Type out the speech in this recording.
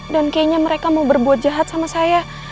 dan kayaknya mereka mau berbuat jahat sama saya